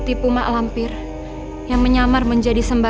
kau tak mengenali luosan maritime